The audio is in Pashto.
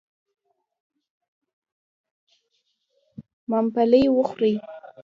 ممپلي و خورئ.